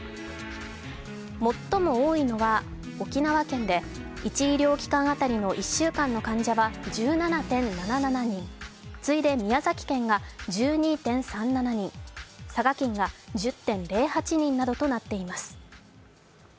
最も多いのは沖縄県で、１医療機関当たりの１週間の患者は１７．７７人、次いで宮崎県が１２．３７人、佐賀県が１０．０８人などとなっています。